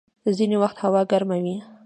ځيني وخت هوا ګرمه وي.